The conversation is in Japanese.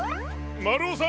まるおさん！